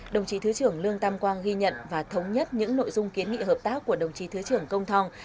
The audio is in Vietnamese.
đồng chí thứ trưởng lương tam quang ghi nhận và thống nhất những nội dung kiến nghị hợp tác của đồng chí thứ trưởng công thong